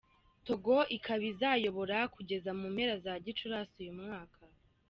Togo ikaba izayobora kugeza mu mpera za Gicurasi uyu mwaka.